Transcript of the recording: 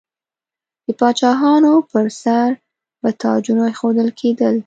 د پاچاهانو پر سر به تاجونه ایښودل کیدل.